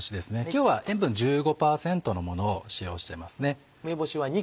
今日は塩分１５％のものを使用してますね。